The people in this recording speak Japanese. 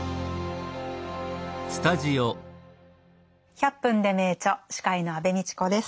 「１００分ｄｅ名著」司会の安部みちこです。